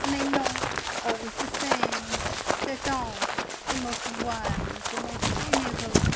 Mais non! Always the same cette ange, the most wise, the most amiable!